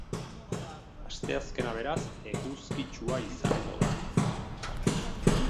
Asteazkena, beraz, eguzkitsua izango da.